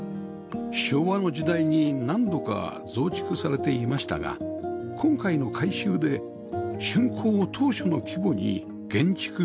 昭和の時代に何度か増築されていましたが今回の改修で竣工当初の規模に減築しています